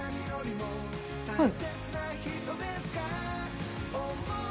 はい。